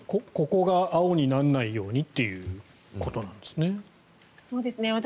ここが青にならないようにということなんですね。